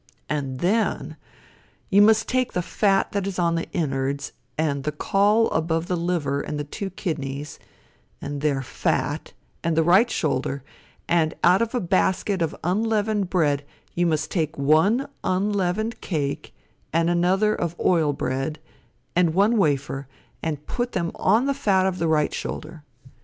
And then you must take of the fat that is on the inwards, and the caul above the liver and the two kidneys, and their fat, and the right shoulder, and out of a basket of unleavened bread you must take one unleavened cake and another of oil bread, and one wafer, and put them on the fat of the right shoulder.